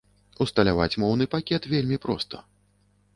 Усталяваць моўны пакет вельмі проста.